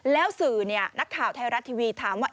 แล้วสื่อเนี่ยนักข่าวไทยรัฐทีวีถามว่า